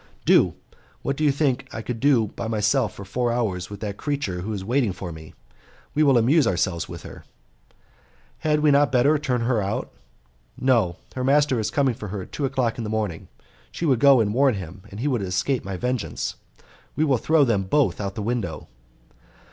"Do. What do you think I could do by myself for four hours with that creature who is waiting for me? We will amuse ourselves with her." "Had we not better turn her out?" "No; her master is coming for her at two o'clock in the morning. She would go and warn him, and he would escape my vengeance. We will throw them both out of the window."